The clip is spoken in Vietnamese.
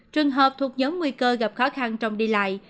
trường hợp thuộc nhóm nguy cơ gặp khó khăn trong đi lại